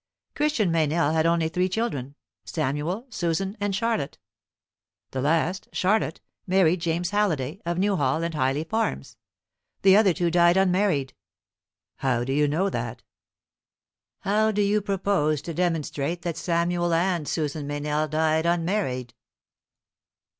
"Christian Meynell had only three children Samuel, Susan, and Charlotte. The last, Charlotte, married James Halliday, of Newhall and Hyley farms; the other two died unmarried." "How do you know that? How do you propose to demonstrate that Samuel and Susan Meynell died unmarried?"